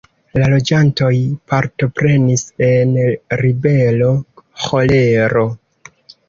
La loĝantoj partoprenis en ribelo ĥolero.